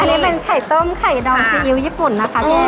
อันนี้เป็นไข่ต้มไข่ดองซีอิ๊วญี่ปุ่นนะคะแม่